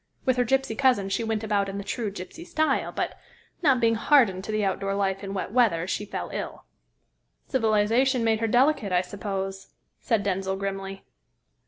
With her gypsy cousins she went about in the true gypsy style, but, not being hardened to the outdoor life in wet weather, she fell ill." "Civilisation made her delicate, I suppose," said Denzil grimly.